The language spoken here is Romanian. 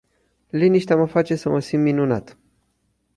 Liniștea mă face să mă simt minunat.